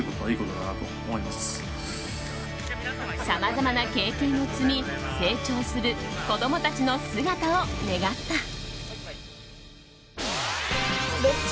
さまざまな経験を積み成長する子供たちの姿を願った。